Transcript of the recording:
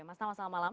mas tama selamat malam